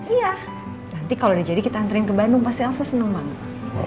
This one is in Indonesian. iya nanti kalau udah jadi kita antrian ke bandung pasti langsung seneng banget